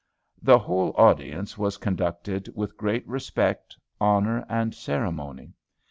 The whole audience was conducted with great respect, honor, and ceremony.